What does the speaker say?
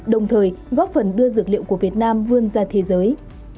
đồng thời góp phần đưa dược liệu của việt nam vươn ra thế giới